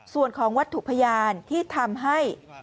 ส่วนของวัตถุพยานที่ทำให้